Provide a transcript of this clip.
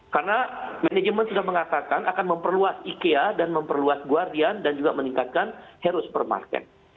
karena manajemen sudah mengatakan akan memperluas ikea dan memperluas guardian dan juga meningkatkan hero supermarket